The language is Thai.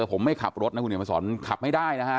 ผมไม่ขับรถนะคุณเห็นมาสอนขับไม่ได้นะฮะ